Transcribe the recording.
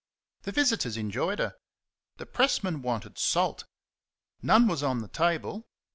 The visitors enjoyed her. The pressman wanted salt. None was on the table.